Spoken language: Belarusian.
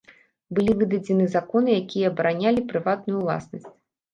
Былі выдадзены законы, якія абаранялі прыватную ўласнасць.